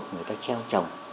người ta treo trồng